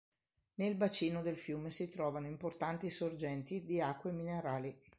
Nel bacino del fiume si trovano importanti sorgenti di acque minerali.